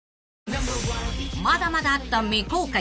［まだまだあった未公開］